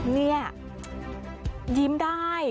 เนี่ยยิ้มได้